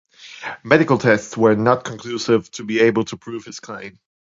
Medical tests were not conclusive to be able to prove his claim.